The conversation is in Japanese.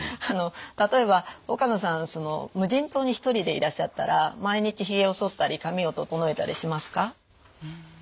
あの例えば岡野さんその無人島に１人でいらっしゃったら毎日ひげをそったり髪を整えたりしますか？